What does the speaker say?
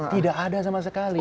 tidak ada sama sekali